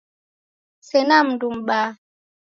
Sena mndu mbaha